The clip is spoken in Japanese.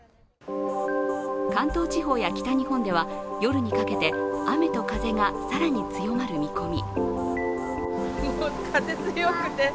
関東地方や北日本では夜にかけて雨と風が更に強まる見込み。